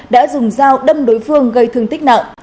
đã dùng dao đâm đối phương gây thương tích nặng